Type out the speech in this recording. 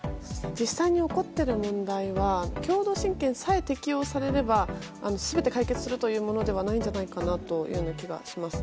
実際に起こっている問題は共同親権さえ適用されれば全て解決するというものではないんじゃないかなという気がします。